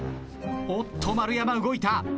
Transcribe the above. おっと丸山動いた。